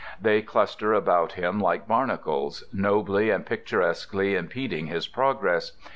They cluster about him like barnacles, nobly and picturesquely impeding his progress.